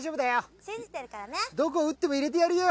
どこ打っても入れてやるよ！